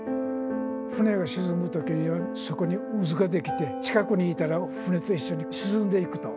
船が沈むときには、そこに渦が出来て、近くにいたら船と一緒に沈んでいくと。